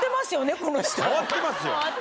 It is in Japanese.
変わってますよ。